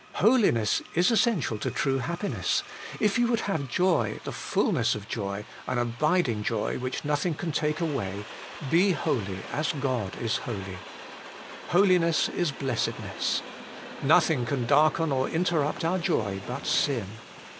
Holiness is essential to true happiness. If you would have joy, the fulness HOLINESS AND HAPPINESS. 189 of joy, an abiding joy which nothing can take away, be holy as God is holy. Holiness is blessedness. Nothing can darken or interrupt our joy but sin.